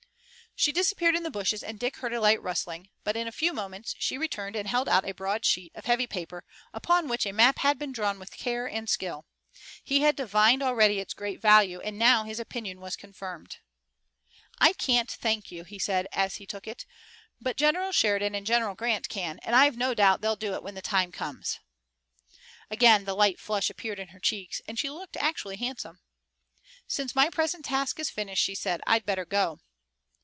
She disappeared in the bushes, and Dick heard a light rustling, but in a few moments she returned and held out a broad sheet of heavy paper, upon which a map had been drawn with care and skill. He had divined already its great value, and now his opinion was confirmed. "I can't thank you," he said, as he took it, "but General Sheridan and General Grant can. And I've no doubt they'll do it when the time comes." Again the light flush appeared in her cheeks and she looked actually handsome. "Since my present task is finished," she said, "I'd better go."